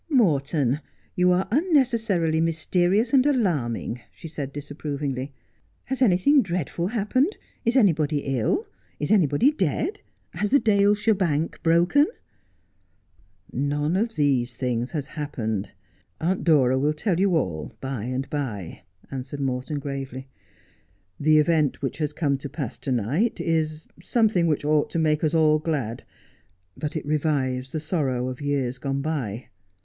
' Moi ton, you are unnecessarily mysterious and alarming,' she said disapprovingly. ' Has anything dreadful happened ? Is any body ill 't Is anybody dead 1 Has the Daleshire bank broken 1 '' None of these things has happened. Aunt Dora will tell you all by and by,' answered Morton gravely. ' The event which has come to pass to night is something which ought to make us all glad ; but it revives the sorrow of years gone by.